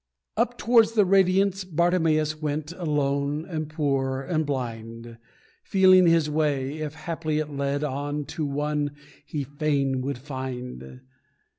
Up towards the Radiance Bartimeus went, Alone, and poor, and blind Feeling his way, if haply it led on To One he fain would find.